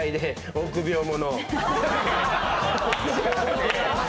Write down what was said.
臆病者。